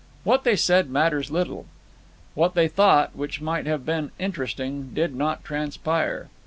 What they said matters little. What they thought which might have been interesting did not transpire.